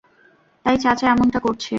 তাই চাচা এমনটা করছে।